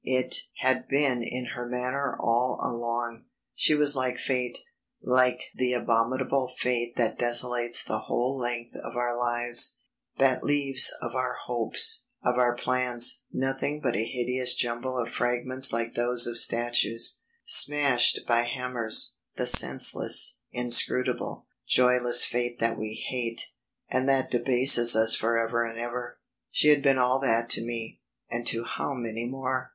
It had been in her manner all along, she was like Fate; like the abominable Fate that desolates the whole length of our lives; that leaves of our hopes, of our plans, nothing but a hideous jumble of fragments like those of statues, smashed by hammers; the senseless, inscrutable, joyless Fate that we hate, and that debases us forever and ever. She had been all that to me ... and to how many more?